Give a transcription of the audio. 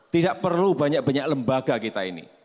tidak perlu banyak banyak lembaga kita ini